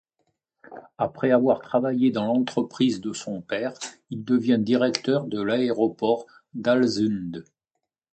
Après avoir travaillé dans l'entreprise de son père, il devient directeur de l'aéroport d'Ålesund.